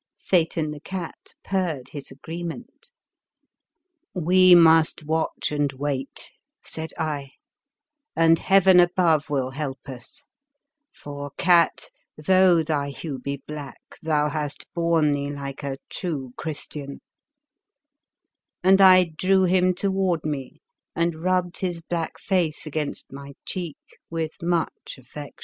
Satan, the cat, purred his agreement. " We must watch and wait," said I, 1 ' and heaven above will help us ; for, cat, though thy hue be black, thou hast borne thee like a true Christian," and I drew him toward me and rubbed his black face against my cheek with much affection.